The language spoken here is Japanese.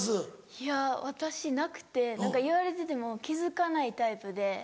いや私なくて言われてても気付かないタイプで。